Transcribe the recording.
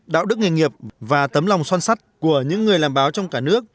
đạo đức nghề nghiệp và tấm lòng son sắt của những người làm báo trong cả nước